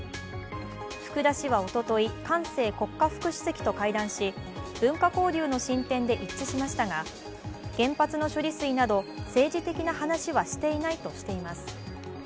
福田氏はおととい、韓正国家副主席と会談し文化交流の進展で一致しましたが、原発の処理水など政治的な話はしていないとしています。